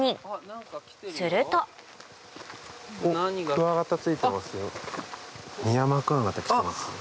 クワガタついてますよ。来てます。